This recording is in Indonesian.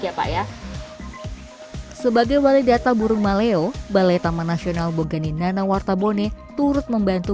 ya pak ya sebagai waledata burung maleo balai taman nasional boganinana wartabone turut membantu